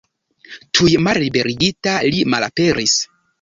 Tuj malliberigita, li malaperis.